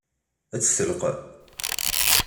Ad tt-tleqqem?